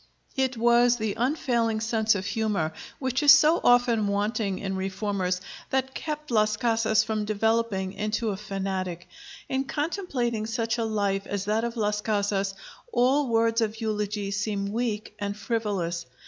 It was the unfailing sense of humor, which is so often wanting in reformers, that kept Las Casas from developing into a fanatic.... In contemplating such a life as that of Las Casas, all words of eulogy seem weak and frivolous.